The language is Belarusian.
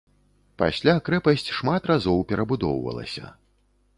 Пасля крэпасць шмат разоў перабудоўвалася.